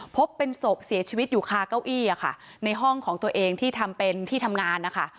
พบเป็นศพเสียชีวิตอยู่คาเก้าอี้ค่ะในห้องของตัวเองที่ทำเป็นที่ทำงานนะคะ